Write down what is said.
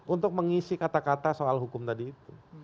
untuk mengisi kata kata soal hukum tadi itu